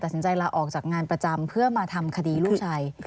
สินใจลาออกจากงานประจำเพื่อมาทำคดีลูกชาย